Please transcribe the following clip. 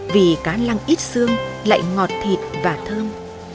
vì cá lăng ít sương lại ngọt thịt và thơm